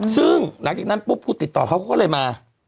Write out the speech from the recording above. ซึ่งหลังจากนั้นปุ๊บกูติดต่อเขาเขาก็เลยมา